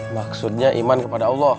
maksudnya iman kepada allah